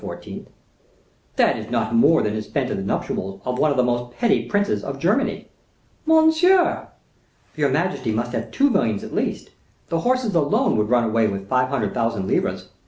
"That is not more than is spent at the nuptials of one of the most petty princes of Germany." "Monsieur!" "Your majesty must have two millions at least. The horses alone would run away with five hundred thousand livres.